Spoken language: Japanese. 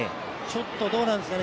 ちょっとどうなんですかね